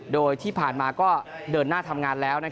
โดยที่ผ่านมาก็เดินหน้าทำงานแล้ว